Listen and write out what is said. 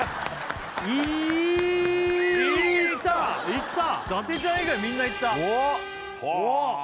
いった伊達ちゃん以外みんないったうわ